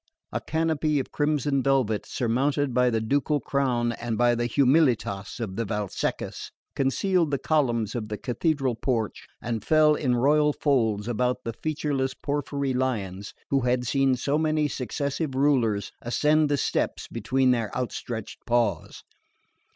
A canopy of crimson velvet, surmounted by the ducal crown and by the "Humilitas" of the Valseccas, concealed the columns of the Cathedral porch and fell in royal folds about the featureless porphyry lions who had seen so many successive rulers ascend the steps between their outstretched paws.